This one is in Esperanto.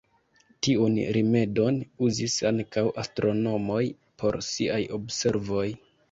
Tiun rimedon uzis ankaŭ astronomoj por siaj observoj.